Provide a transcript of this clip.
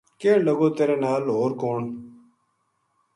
کہن لگو تیرے نال ہو ر کون